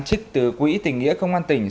chích từ quỹ tình nghĩa công an tỉnh